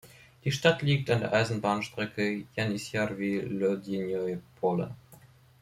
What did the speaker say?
Die Stadt liegt an der Eisenbahnstrecke Janisjarwi–Lodeinoje Pole.